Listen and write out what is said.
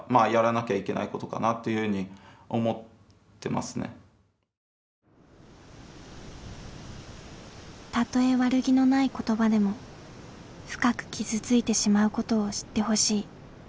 もしかしたらたとえ悪気のない言葉でも深く傷ついてしまうことを知ってほしい。